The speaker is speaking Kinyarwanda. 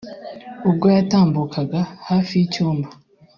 ubwo yatambukaga hafi y’icyumba